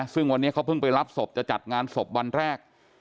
ซึ่งวันนี้เขาเพิ่งไปรับศพจะจัดงานศพวันแรก